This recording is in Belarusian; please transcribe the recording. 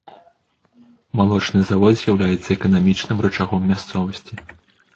Малочны завод з'яўляецца эканамічным рычагом мясцовасці.